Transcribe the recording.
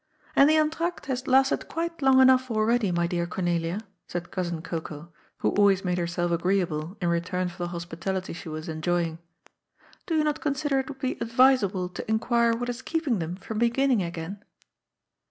'^ And the entr'acte has lasted quite long enough already, my dear Cornelia," said Cousin Cocoa, who always made herself agreeable in return for the hospitality she was en joying. " Do you not consider it would be advisable to in quire what is keeping them from beginning again